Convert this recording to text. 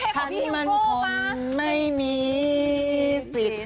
ฉันมันคงไม่มีสิทธิ์